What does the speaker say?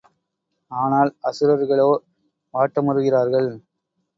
ஆனால் அசுரர்களோ வாட்டமுறுகிறார்கள்.